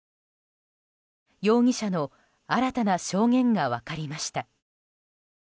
容疑者の新たな証言が分かりました。